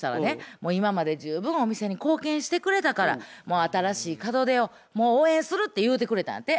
「もう今まで十分お店に貢献してくれたから新しい門出を応援する」って言うてくれたんやて。